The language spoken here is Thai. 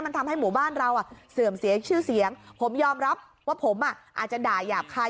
มันทำให้หมู่บ้านเราอ่ะเสื่อมเสียชื่อเสียงผมยอมรับว่าผมอ่ะอาจจะด่ายาบคาย